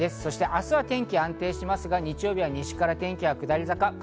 明日は天気が安定しますが、日曜日は西から天気が下り坂です。